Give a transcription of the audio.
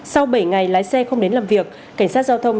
sau bảy ngày lái xe không đến làm việc cảnh sát giao thông